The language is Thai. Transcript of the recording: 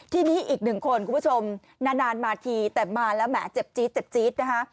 ที่นี่อีกหนึ่งคนคุณผู้ชมนานมาทีแต่มาแล้วแหม่เจ็บจี๊ด